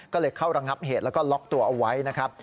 ก็เลยเข้าระงับเหตุแล้วก็ล็อกตัวเอาไว้นะครับ